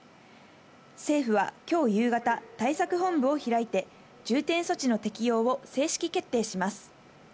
政府は今日夕方、対策本部を開いて重点措置の適用を正式決定します。